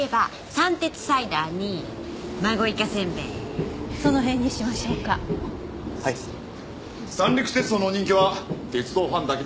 三陸鉄道の人気は鉄道ファンだけではありませんよ。